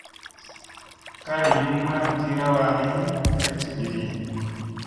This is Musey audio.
Kal yumma tira wa ni ka jivi ɗi.